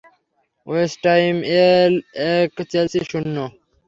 West Ham এক, Chelsea শুন্য।